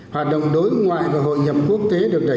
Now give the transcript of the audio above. hoạt động đối ngoại và hội nhập quốc tế được đẩy